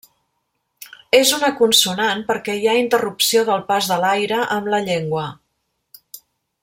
És una consonant perquè hi ha interrupció del pas de l'aire amb la llengua.